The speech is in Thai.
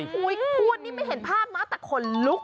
คุณนี่ไม่เห็นภาพมากแต่ขนลุกอะ